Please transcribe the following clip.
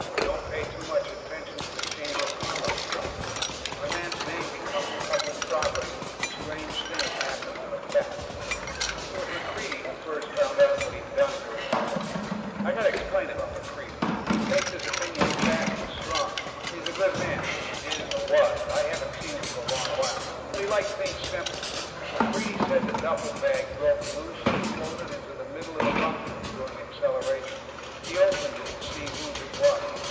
Don't pay too much attention to the Chamber of Commerce plaques. When a man's name becomes public property, strange things happen to the facts. It was MacReidie who first found out what he'd done during the war. I've got to explain about MacReidie. He takes his opinions fast and strong. He's a good man is, or was; I haven't seen him for a long while but he liked things simple. MacReidie said the duffelbag broke loose and floated into the middle of the bunkroom during acceleration. He opened it to see whose it was.